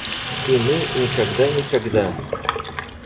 И мы никогда, никогда!